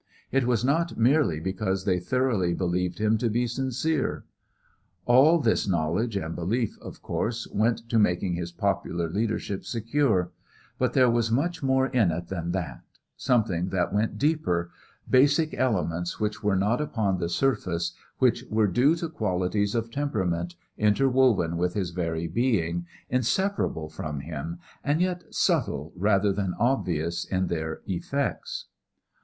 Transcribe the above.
It was not merely because they thoroughly believed him to be sincere. All this knowledge and belief, of course, went to making his popular leadership secure; but there was much more in it than that, something that went deeper, basic elements which were not upon the surface which were due to qualities of temperament interwoven with his very being, inseparable from him and yet subtle rather than obvious in their effects.